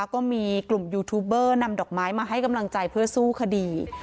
ก็มีกลุ่มยูทูบเบอร์นำดอกไม้มาให้กำลังใจเพื่อสู้คดี